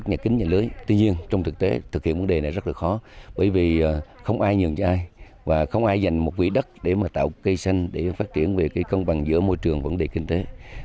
tuy nhiên trong thực tế thực hiện vấn đề này rất là khó bởi vì không ai nhường cho ai và không ai dành một vị đất để mà tạo cây xanh để phát triển về công bằng giữa môi trường và vấn đề kinh tế